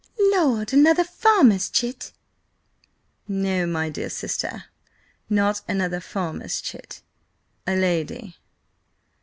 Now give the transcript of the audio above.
"Lord! Another farmer's chit?" "No, my dear sister, not another farmer's chit. A lady."